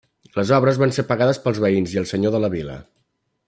Les obres van ser pagades pels veïns i el senyor de la vila.